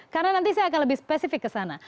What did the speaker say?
karena nanti saya akan lebih spesifik ke sana